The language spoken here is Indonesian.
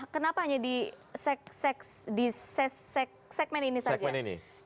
kenapa hanya di segmen ini saja